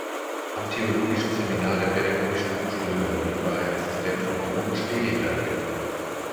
Am Theologischen Seminar der Pädagogischen Hochschule Berlin war er Assistent von Bruno Schlegelberger.